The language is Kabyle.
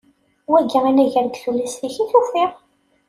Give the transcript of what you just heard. Wagi anagar deg Tullist-ik i t-ufiɣ.